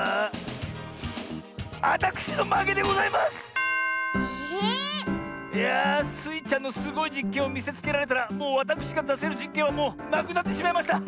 ⁉いやスイちゃんのすごいじっけんをみせつけられたらもうわたくしがだせるじっけんはもうなくなってしまいました。